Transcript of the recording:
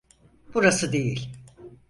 Burası değil.